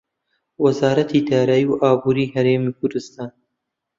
وەزارەتی دارایی و ئابووری هەرێمی کوردستان